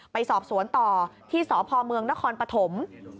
ไปสอบสวนต่อที่สพนครปฐม